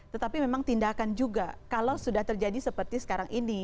tetapi memang tindakan juga kalau sudah terjadi seperti sekarang ini